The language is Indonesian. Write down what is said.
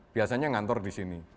biasanya ngantor di sini